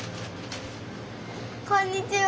こんにちは。